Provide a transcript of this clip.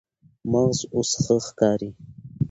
مغز اوس ښه ښکاري.